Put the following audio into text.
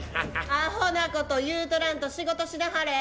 アホなこと言うとらんと仕事しなはれ。